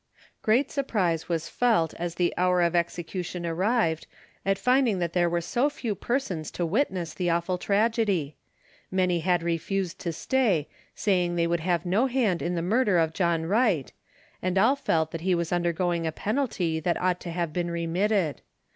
Great surprise was felt as the hour of execution arrived at finding that there were so few persons to witness the awful tragedy. Many had refused to stay, saying they would have no hand in the murder of John Wright, and all felt that he was undergoing a penalty that ought to have been remitted.